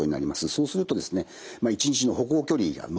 そうするとですね一日の歩行距離が伸びる。